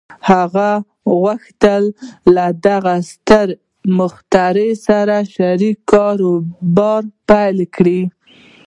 هغه غوښتل له دغه ستر مخترع سره شريک کاروبار پيل کړي.